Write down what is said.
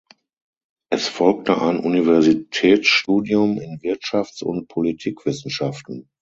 Es folgte ein Universitätsstudium in Wirtschafts- und Politikwissenschaften.